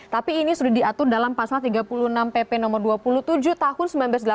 tapi ini sudah diatur dalam pasal tiga puluh enam pp no dua puluh tujuh tahun seribu sembilan ratus delapan puluh